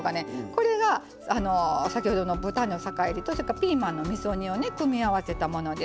これが先ほどの豚肉の酒いりとそれからピーマンのみそ煮をね組み合わせたものです。